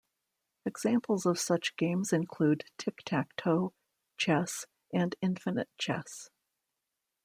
Examples of such games include tic-tac-toe, chess, and infinite chess.